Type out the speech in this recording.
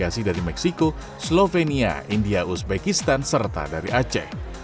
slovenia india uzbekistan serta dari aceh